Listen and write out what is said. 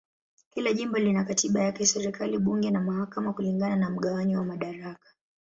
Kila jimbo lina katiba yake, serikali, bunge na mahakama kulingana na mgawanyo wa madaraka.